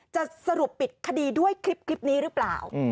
จะสรุปปิดคดีด้วยคลิปนี้หรือเปล่า